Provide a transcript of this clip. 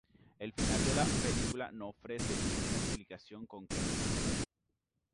El final de la película no ofrece ninguna explicación concreta.